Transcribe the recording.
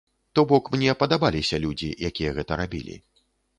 То бок мне падабаліся людзі, якія гэта рабілі.